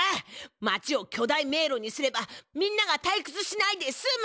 町を巨大迷路にすればみんながたいくつしないですむ！